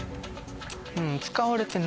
うん。